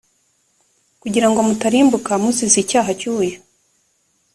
kugira ngo mutarimbuka muzize icyaha cy uyu